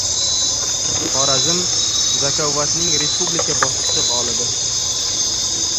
Xorazm – "Zakovat"ning respublika bosqichi g‘olibi